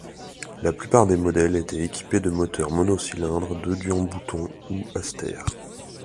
La plupart des modèles étaient équipés de moteurs mono-cylindre De Dion-Bouton ou Aster.